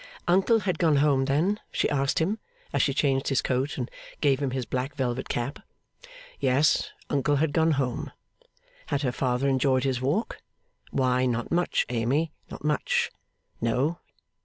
Uncle had gone home, then? she asked him, as she changed his coat and gave him his black velvet cap. Yes, uncle had gone home. Had her father enjoyed his walk? Why, not much, Amy; not much. No!